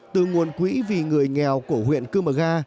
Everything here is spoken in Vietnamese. từ nguồn quỹ vì người nghèo của huyện cư mờ ga